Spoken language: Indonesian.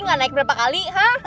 gak naik berapa kali